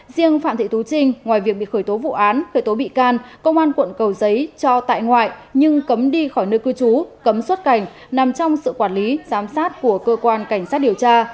riêng phạm thị tú trinh ngoài việc bị khởi tố vụ án khởi tố bị can công an quận cầu giấy cho tại ngoại nhưng cấm đi khỏi nơi cư trú cấm xuất cảnh nằm trong sự quản lý giám sát của cơ quan cảnh sát điều tra